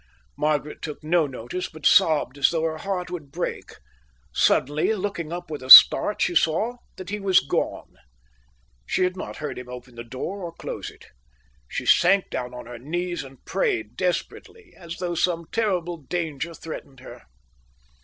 Margaret took no notice, but sobbed as though her heart would break. Suddenly, looking up with a start, she saw that he was gone. She had not heard him open the door or close it. She sank down on her knees and prayed desperately, as though some terrible danger threatened her.